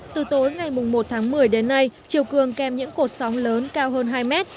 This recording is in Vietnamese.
từ tối ngày một tháng một mươi đến nay chiều cường kèm những cột sóng lớn cao hơn hai mét